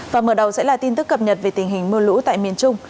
và mở đầu sẽ là tin tức cập nhật về tình hình mưa lũ tại miền trung